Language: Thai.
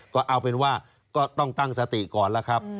ก็เอาเป็นว่าก็ต้องตั้งสติก่อนแล้วครับ